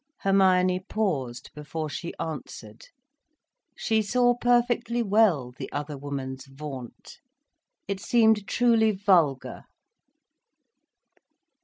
Hermione paused before she answered. She saw perfectly well the other woman's vaunt: it seemed truly vulgar.